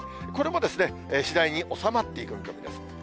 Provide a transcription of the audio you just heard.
これも次第に収まっていく見込みです。